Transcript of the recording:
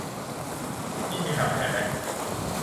นี่มีคำไทยมะ ?